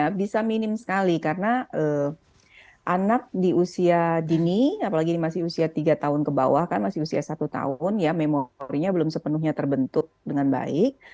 ya bisa minim sekali karena anak di usia dini apalagi ini masih usia tiga tahun ke bawah kan masih usia satu tahun ya memorinya belum sepenuhnya terbentuk dengan baik